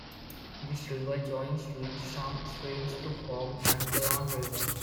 This river joins with some streams to form Mangalam River.